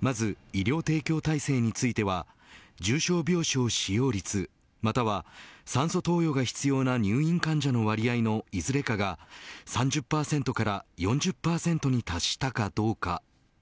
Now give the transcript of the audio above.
まず医療提供体制については重症病床使用率または酸素投与が必要な入院患者の割合のいずれかが、３０％から４０％に達したかどうか。